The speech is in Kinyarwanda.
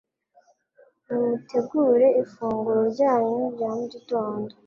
Nimutegure ifunguro ryanyu rya mugitondo